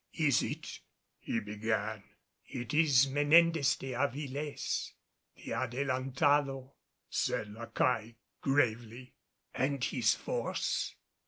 "Is it ?" he began. "It is Menendez de Avilés, the Adelantado," said La Caille gravely. "And his force?"